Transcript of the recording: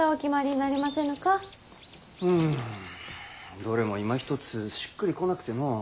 どれもいまひとつしっくりこなくてのう。